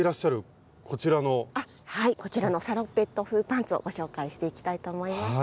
はいこちらのサロペット風パンツをご紹介していきたいと思います。